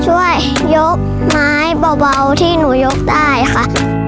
ยกไม้เบาที่หนูยกได้ค่ะ